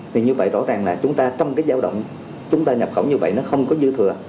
thì như vậy rõ ràng là chúng ta trong cái giao động chúng ta nhập khẩu như vậy nó không có dư thừa